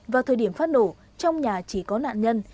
vào thời điểm phát nổ trong nhà chỉ có nạn nhân